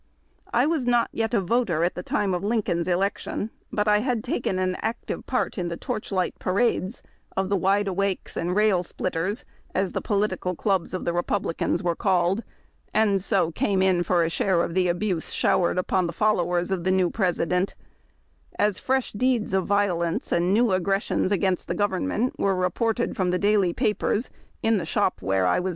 I was not a voter at the time of Lincoln's election, but I had taken an active part in the torchlight parades of the " Wide awakes " and " Rail splitters," as the political clubs of the Republicans were called, and so came in foi a share of the abuse showered upon the followers of the new President, x^s fresh deeds of violence or new aggressions against the government were reported from the daily papers in the shop where I was 20 HARD TACK AND COFFEE.